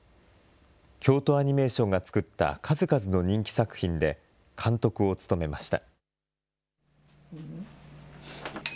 京都アニメーションが作った数々の人気作品で、監督を務めました。